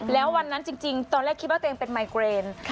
แล้ววันนั้นจริงตอนแรกคิดว่าตัวเองเป็นไมเกรน